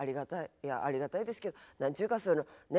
いやありがたいですけど何っちゅうかそのね。